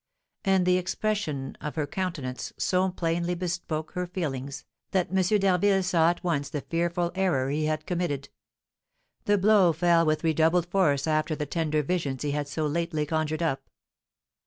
And the expression of her countenance so plainly bespoke her feelings, that M. d'Harville saw at once the fearful error he had committed. The blow fell with redoubled force after the tender visions he had so lately conjured up.